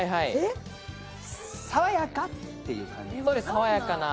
爽やかっていう感じ。